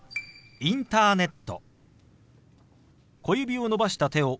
「インターネット」。